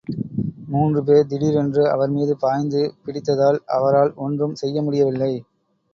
மூன்று பேர் திடீரென்று அவர் மீது பாய்ந்து பிடித்ததால் அவரால் ஒன்றும் செய்ய முடியவில்லை.